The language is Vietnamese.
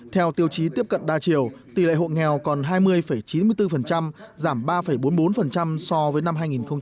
theo tiêu chí tiếp cận đa chiều tỷ lệ hộ nghèo còn hai mươi chín mươi bốn giảm ba bốn mươi bốn so với năm hai nghìn một mươi tám